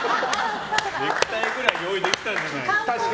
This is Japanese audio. ネクタイぐらい用意できたんじゃないですか。